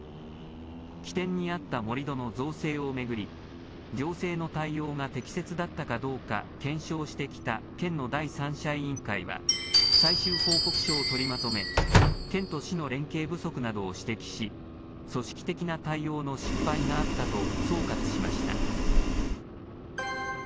起点にあった盛り土の造成を巡り、行政の対応が適切だったかどうか検証してきた県の第三者委員会は、最終報告書を取りまとめ、県と市の連携不足などを指摘し、組織的な対応の失敗があったと総括しました。